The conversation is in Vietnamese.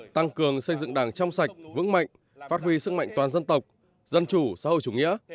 tăng cường xây dựng đảng trong sạch vững mạnh phát huy sức mạnh toàn dân tộc dân chủ xã hội chủ nghĩa